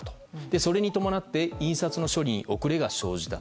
それに伴って印刷の処理に遅れが生じた。